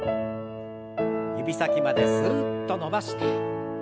指先まですっと伸ばして。